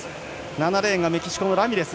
７レーン、メキシコのラミレス。